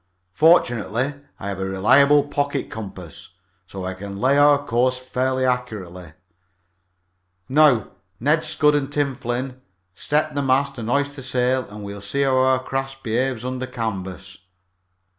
Fortunately, I have a reliable pocket compass, so I can lay our course fairly accurately. Now, Ned Scudd and Tim Flynn, step the mast and hoist the sail and we'll see how our craft behaves under canvas."